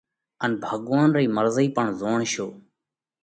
ان ڀڳوونَ رئِي مرضئِي پڻ زوڻشو۔